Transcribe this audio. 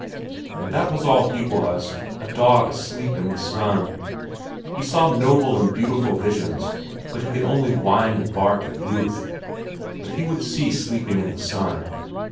And that was all he was, a dog asleep in the sun. He saw noble and beautiful visions, but he could only whine and bark at Ruth. But he would cease sleeping in the sun.